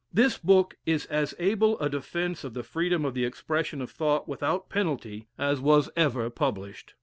This book is as able a defence of the freedom of the expression of thought without penalty, as was ever published.